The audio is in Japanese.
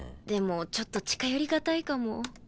でもちょっと近寄りがたいかも。